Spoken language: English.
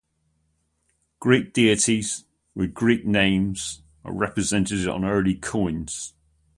Greek deities, with Greek names are represented on early coins.